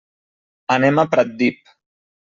Anem a Pratdip.